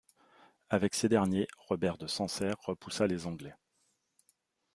Avec ces derniers, Robert de Sancerre repoussa les Anglais.